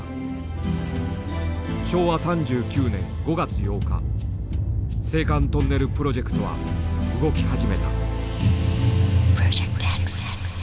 昭和３９年５月８日青函トンネルプロジェクトは動き始めた。